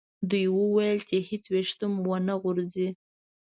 دوی وویل چې هیڅ ویښته مو و نه غورځي.